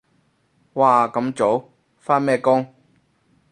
哇咁早？返咩工？